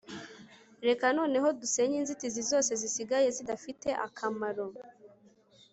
reka noneho dusenye inzitizi zose zisigaye zidafite akamaro